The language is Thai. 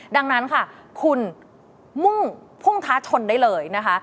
ดังนั้นค่ะคุณมุ่งพุ่งท้าชนได้เลยนะคะ